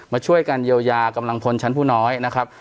มาช่วยกันเยียวยากำลังพลชั้นผู้น้อยนะครับ